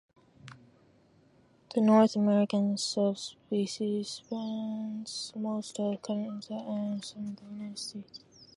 The North American subspecies spans most of Canada and some of the United States.